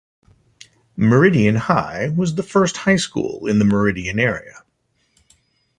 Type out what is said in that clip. Meridian High was the first high school in the Meridian area.